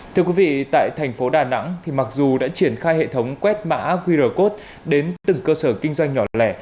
thưa quý vị tại thành phố đà nẵng thì mặc dù đã triển khai hệ thống quét mã qr code đến từng cơ sở kinh doanh nhỏ lẻ